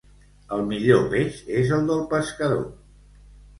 El millor peix és el del pescador.